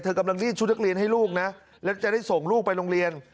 กำลังรีดชุดนักเรียนให้ลูกนะแล้วจะได้ส่งลูกไปโรงเรียน